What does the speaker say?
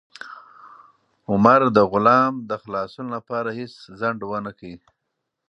عمر د غلام د خلاصون لپاره هیڅ ځنډ ونه کړ.